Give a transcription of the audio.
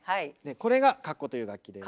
これが鞨鼓という楽器です。